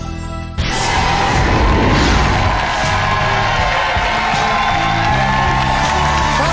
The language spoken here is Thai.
รับความถูก๒ข้อรับ๕๐๐๐บาท